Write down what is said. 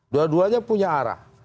dua duanya punya arah